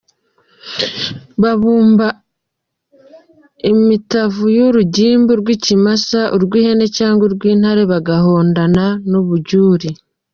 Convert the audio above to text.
Babumba imitavu y’urugimbu rw’ikimasa, urw’ihene cyangwa urw’intama bagahondana n’ubujyuri.